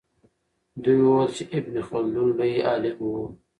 دوی وویل چې ابن خلدون لوی عالم و.